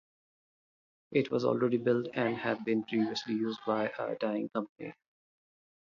It was already built and had been previously used by a dying company.